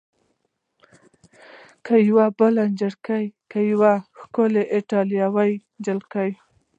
که یوه بله نجلۍ؟ که یوه ښکلې ایټالوۍ نجلۍ؟